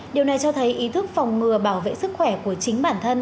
điều này cho thấy ý thức phòng ngừa bảo vệ sức khỏe của chính bản thân